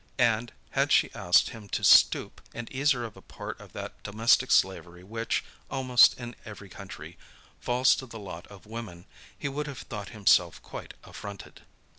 And, had she asked him to stoop, and ease her of a part of that domestic slavery which, almost in every country, falls to the lot of women, he would have thought himself quite affronted.